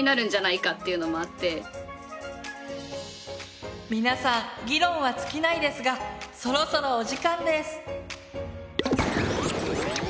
ただまた皆さん議論は尽きないですがそろそろお時間です。